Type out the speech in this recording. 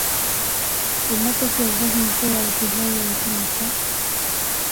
ambako kiongozi mkuu wa upinzani wa chama cha